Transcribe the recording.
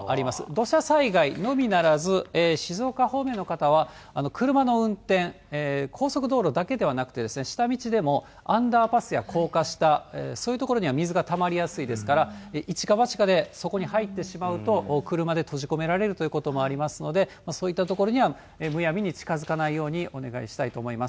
土砂災害のみならず、静岡方面の方は、車の運転、高速道路だけではなくて、下道でも、アンダーパスや高架下、そういう所には水がたまりやすいですから、一か八かでそこに入ってしまうと、車で閉じ込められるということもありますので、そういった所には、むやみに近づかないようにお願いしたいと思います。